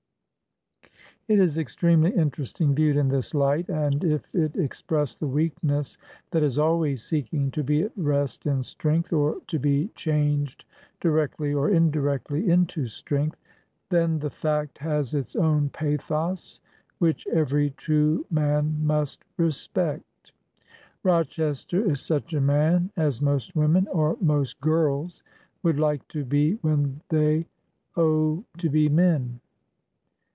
It is extremely interesting, viewed in this light, and if it expressed the weakness that is always seeking to be at rest in strength, or to be changed directly or in directly into strength, then the fact has its own pathos, which every true man must respect. Rochester is such a man as most women, or most girls, would like to be when they Oh to be men.